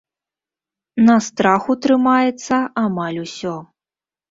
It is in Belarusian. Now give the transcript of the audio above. На страху трымаецца амаль усё.